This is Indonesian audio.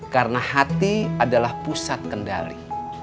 karena hati adalah pusat kendali